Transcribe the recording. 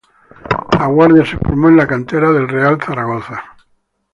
Laguardia se formó en la cantera del Real Zaragoza.